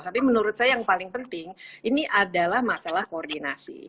tapi menurut saya yang paling penting ini adalah masalah koordinasi